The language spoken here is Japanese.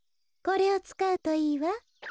これをつかうといいわ。